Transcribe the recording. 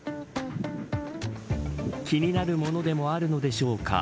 気になるものでもあるのでしょうか。